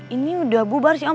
ini udah bubar sih om